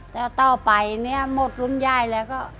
แต่ต่อไปหมดรุ่นย่ายแล้วก็